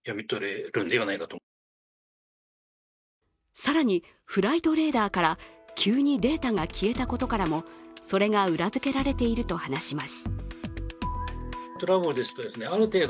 更に、フライトレーダーから急にデータが消えたことからもそれが裏づけられていると話します。